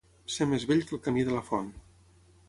Ser més vell que el camí de la font.